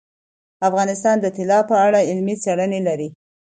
افغانستان د طلا په اړه علمي څېړنې لري.